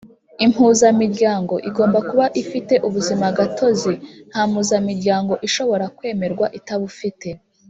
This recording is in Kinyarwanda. Impuzamiryango igomba kuba ifite ubuzimagatozi nta mpuzamiryango ishobora kwemererwa itabufite